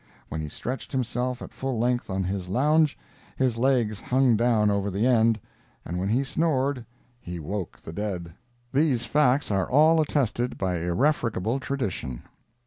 When he stretched himself at full length on his lounge, his legs hung down over the end, and when he snored he woke the dead. These facts are all attested by irrefragable tradition.